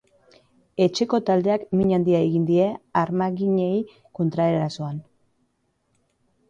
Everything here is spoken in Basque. Etxeko taldeak min handia egin die armaginei kontraerasoan.